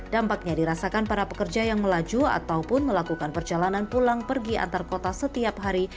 dampaknya dirasakan para pekerja yang melaju ataupun melakukan perjalanan pulang pergi antar kota setiap hari